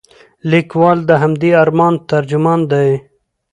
لیکوال د همدې ارمان ترجمان دی.